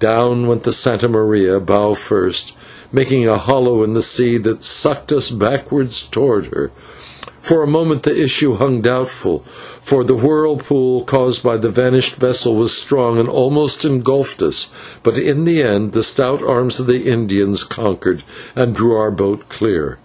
Down went the /Santa Maria/, bow first, making a hollow in the sea that sucked us back towards her. For a moment the issue hung doubtful, for the whirlpool caused by the vanished vessel was strong and almost engulfed us, but in the end the stout arms of the Indians conquered and drew our boat clear.